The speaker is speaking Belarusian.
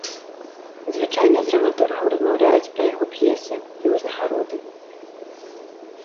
Звычайна з драматургам размаўляюць пра яго п'есы і ўзнагароды.